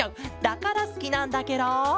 だからすきなんだケロ！